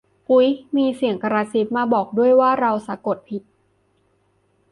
อุ๊ย มีเสียงกระซิบมาบอกด้วย ว่าเราสะกดผิด